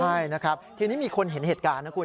ใช่นะครับทีนี้มีคนเห็นเหตุการณ์นะคุณ